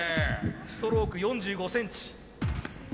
ストローク４５センチ。